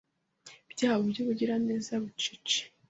byabo by’ubugira neza bucece;